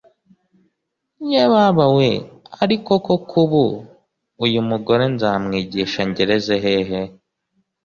"ye baba weee ....ariko koko uyu mugore nzamwigisha ngereze hehe ??